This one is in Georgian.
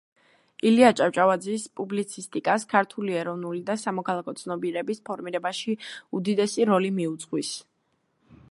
ილია ჭავჭავაძის პუბლიცისტიკას ქართული ეროვნული და სამოქალაქო ცნობიერების ფორმირებაში უდიდესი როლი მიუძღვის.